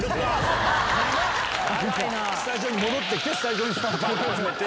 スタジオに戻ってきてスタジオにスタッフ集めて。